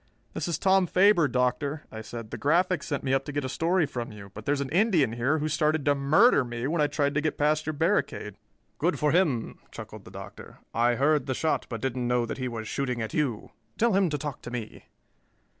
"This is Tom Faber, Doctor," I said. "The Graphic sent me up to get a story from you, but there's an Indian here who started to murder me when I tried to get past your barricade." "Good for him," chuckled the Doctor. "I heard the shot, but didn't know that he was shooting at you. Tell him to talk to me."